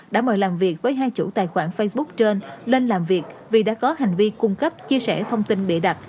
đã mời làm việc với hai chủ tài khoản facebook trên lên làm việc vì đã có hành vi cung cấp chia sẻ thông tin bịa đặt